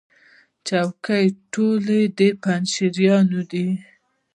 چوکۍ ټولې د پنجشیر دي.